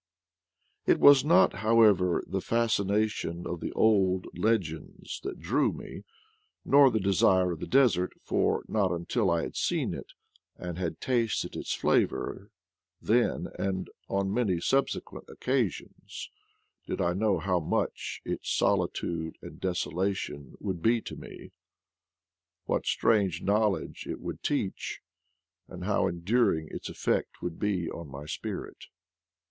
It was not, however, the fascination of old legends that drew me, nor the desire of the desert, for not until I had seen it, and had tasted its flavor, then, and on many subsequent occasions, did I know how much its solitude and desolation would be to me, what strange knowledge it would teach, and how enduring its effect would be on my spirit.